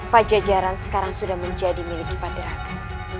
pajajaran sekarang sudah menjadi milik kipati raga